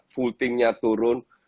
full team nya turun